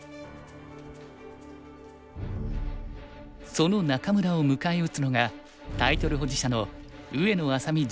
その仲邑を迎え撃つのがタイトル保持者の上野愛咲美女流棋聖。